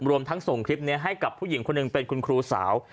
รวมทั้งส่งคลิปนี้ให้กับผู้หญิงคนหนึ่งเป็นคุณครูสาว